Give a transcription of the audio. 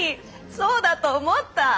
そうだと思った。